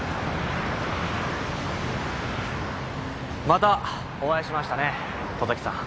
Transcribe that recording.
またお会いしましたね外崎さん。